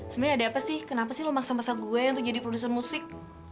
sebenarnya ada apa sih kenapa sih memaksa masa gue untuk jadi produser musik